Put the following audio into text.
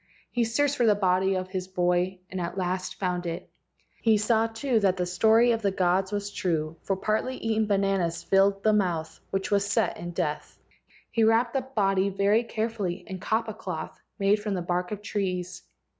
He searched for the body of his boy, and at last found it. He saw too that the story of the gods was true, for partly eaten bananas filled the mouth, which was set in death. i6 LEGENDS OF GHOSTS He wrapped the body very carefully in kapa cloth made from the bark of trees.